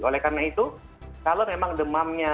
oleh karena itu kalau memang demamnya